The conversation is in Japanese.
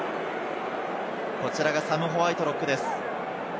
こちらがサム・ホワイトロックです。